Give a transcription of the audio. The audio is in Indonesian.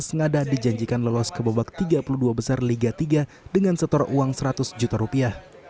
sengaja dijanjikan lolos ke babak tiga puluh dua besar liga tiga dengan setor uang seratus juta rupiah